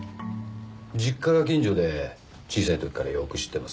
実家が近所で小さい時からよく知ってます。